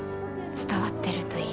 伝わってるといいね。